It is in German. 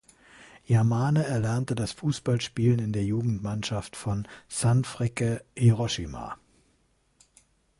Yamane erlernte das Fußballspielen in der Jugendmannschaft von Sanfrecce Hiroshima.